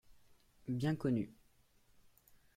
Bien connu.